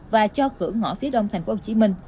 và cho cửa ngõ phía đông tp hcm